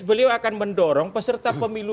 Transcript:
beliau akan mendorong peserta pemilu